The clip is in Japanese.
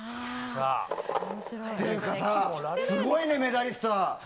ていうか、すごいねメダリスト。